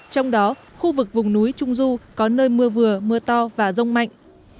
trong đó khu vực vùng núi trung du có nơi mưa vừa mưa to và rông mạnh